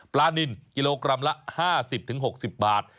นินกิโลกรัมละ๕๐๖๐บาท